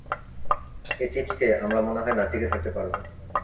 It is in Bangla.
এই চিপস খেয়ে আমরা মনে হয় না টিকে থাকতে পারব!